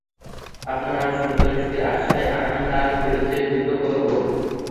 আপনার সন্তুষ্টির আশায় আমি তার বিরুদ্ধে যুদ্ধ করব।